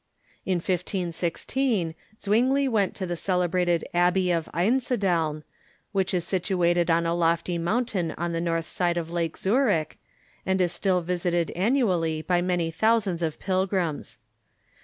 In 1516 Zwingli went to the celebrated Abbey of Einsiedeln, which is situated on a lofty mountain on the north side of Lake Zurich, and is still visited annually by many thousands of pilgrims.